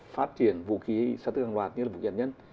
phát triển vũ khí sát thức hàng hoạt như là vũ khí hạt nhân